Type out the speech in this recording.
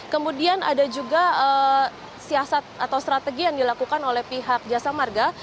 kemudian ada juga siasat atau strategi yang dilakukan oleh pihak jasa marga